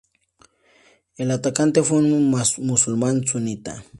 El atacante fue un musulmán sunita.